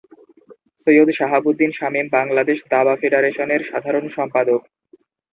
সৈয়দ শাহাবুদ্দিন শামীম বাংলাদেশ দাবা ফেডারেশনের সাধারণ সম্পাদক।